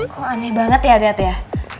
kok aneh banget ya lihat ya